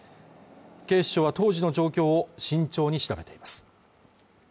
警視庁は当時の状況を慎重に調べています